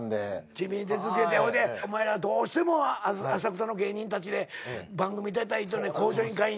地味に出続けてほいでお前らどうしても浅草の芸人たちで番組出たい『向上委員会』に。